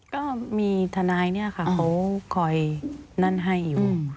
ก็มีทนายเนี่ยค่ะเขาคอยนั่นให้อยู่